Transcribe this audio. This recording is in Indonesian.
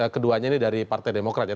keduanya ini dari partai demokrat ya